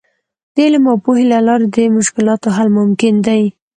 د علم او پوهې له لارې د مشکلاتو حل ممکن دی.